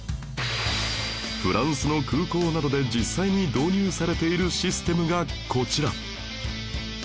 フランスの空港などで実際に導入されているシステムがこちら